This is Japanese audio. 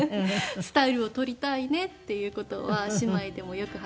スタイルを取りたいねっていう事は姉妹でもよく話していまして。